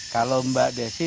kalau mbak desi